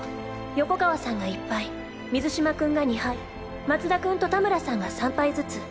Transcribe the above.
横川さんが１敗水嶋君が２敗松田君と田村さんが３敗ずつ。